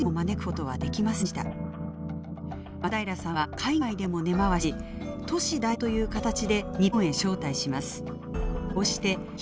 松平さんは海外でも根回しし都市代表という形で日本へ招待します。